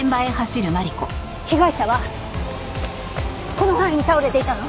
被害者はこの範囲に倒れていたの？